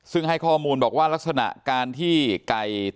ซึ่งให้ข้อมูลบอกว่าลักษณะการที่ไก่